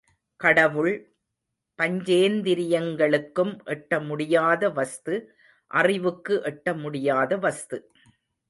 கடவுள் பஞ்சேந்திரியங்களுக்கும் எட்டமுடியாத வஸ்து, அறிவுக்கு எட்டமுடியாத வஸ்து.